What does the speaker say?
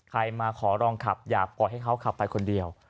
มาขอลองขับอย่าปล่อยให้เขาขับไปคนเดียว